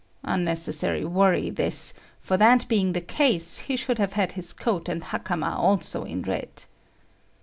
Unnecessary worry, this, for that being the case, he should have had his coat and hakama also in red.